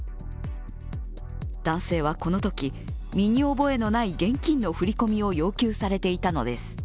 男性はこのとき、身に覚えのない現金の振り込みを要求されていたのです。